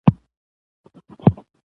او ښايست مثال وګرځوو.